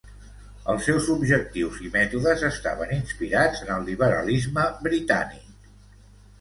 Els seus objectius i mètodes estaven inspirats en el Liberalisme Britànic.